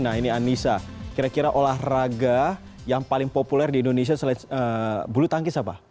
nah ini anissa kira kira olahraga yang paling populer di indonesia selain bulu tangkis apa